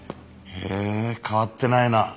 へえ変わってないな。